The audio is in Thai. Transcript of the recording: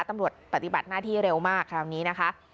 ปฏิบัติหน้าที่เร็วมากคราวนี้นะคะ